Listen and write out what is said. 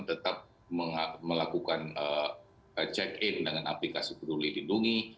tetap melakukan check in dengan aplikasi peduli lindungi